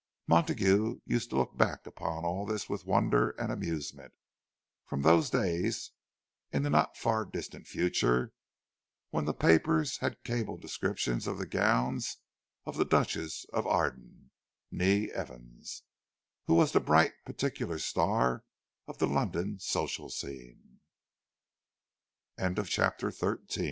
Montague used to look back upon all this with wonder and amusement—from those days in the not far distant future, when the papers had cable descriptions of the gowns of the Duchess of Arden, née Evans, who was the bright particular star of the London social season! CHAPTER XIV. Montague